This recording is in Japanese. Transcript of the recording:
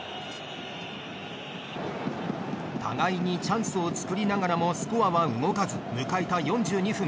互いにチャンスをつくりながらもスコアは動かず迎えた４２分。